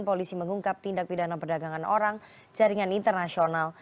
polisi mengungkap tindak pidana perdagangan orang jaringan internasional